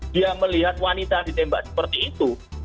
dia melihat wanita ditembak seperti itu